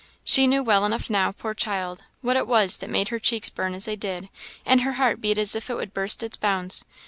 She knew well enough now, poor child! what it was that made her cheeks burn as they did, and her heart beat as if it would burst its bounds.